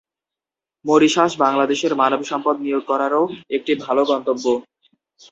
Mauritius বাংলাদেশের মানবসম্পদ নিয়োগ করারও একটি ভালো গন্তব্য।